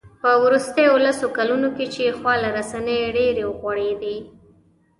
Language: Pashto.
په وروستیو لسو کلونو کې چې خواله رسنۍ ډېرې وغوړېدې